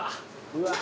うわ。